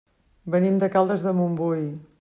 Venim de Caldes de Montbui.